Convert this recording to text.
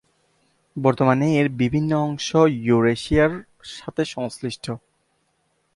বর্তমানে এর বিভিন্ন অংশ ইউরেশিয়ার সাথে সংশ্লিষ্ট।